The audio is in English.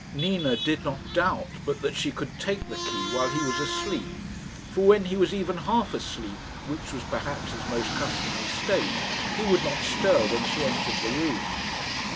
Nina did not doubt but that she could take the key while he was asleep; for when he was even half asleep which was perhaps his most customary state he would not stir when she entered the room.